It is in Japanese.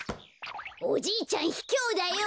おじいちゃんひきょうだよ！